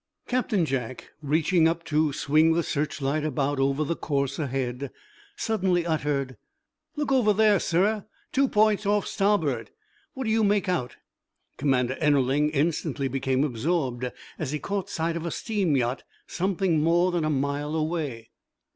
Captain Jack, reaching up to swing the searchlight about over the course ahead, suddenly uttered: "Look over there, sir two points off starboard. What do you make out?" Commander Ennerling instantly became absorbed as he caught sight of a steam yacht something more than a mile away.